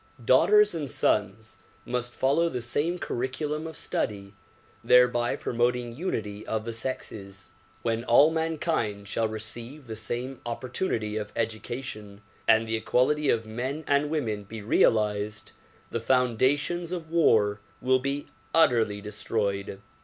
Daughters and sons must follow the same curriculum of study, thereby promoting unity of the sexes. When all mankind shall receive the same opportunity of education and the equality of men and women be realized, the foundations of war will be utterly destroyed.